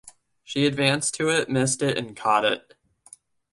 She advanced to it, missed it, and caught it.